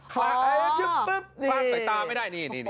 ตอนไหน